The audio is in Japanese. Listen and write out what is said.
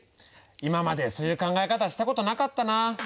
今までそういう考え方したことなかったな。